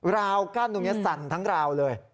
ราวกั้นตรงนี้สั่นทั้งราวเลย